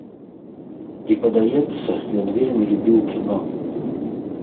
І падаецца, ён вельмі любіў кіно.